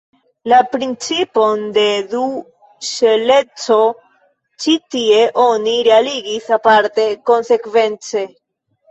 La principon de du-ŝeleco ĉi tie oni realigis aparte konsekvence.